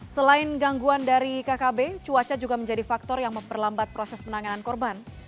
selain gangguan dari kkb cuaca juga menjadi faktor yang memperlambat proses penanganan korban